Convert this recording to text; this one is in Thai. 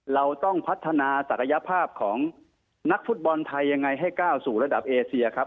เราต้องพัฒนาศักยภาพของนักฟุตบอลไทยยังไงให้ก้าวสู่ระดับเอเซียครับ